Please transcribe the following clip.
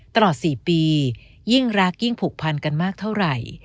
ตลอด๔ปียิ่งรักยิ่งผูกพันกันมากเท่าไหร่